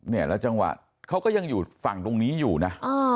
เนี่ยแล้วจังหวะเขาก็ยังอยู่ฝั่งตรงนี้อยู่นะ